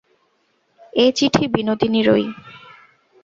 এ চিঠি বিনোদিনীরই।